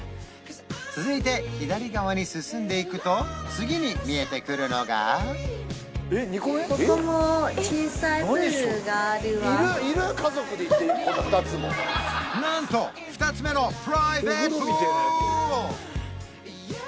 続いて左側に進んでいくと次に見えてくるのがなんと２つ目のプライベートプール